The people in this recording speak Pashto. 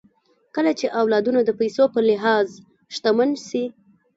کله چې اولادونه د پيسو په لحاظ شتمن سي